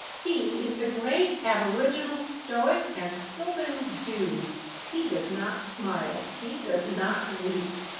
He is the great aboriginal stoic and sylvan dude. He does not smile. He does not weep.